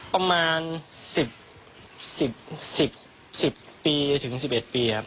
ประมาณ๑๐๑๐ปีถึง๑๑ปีครับ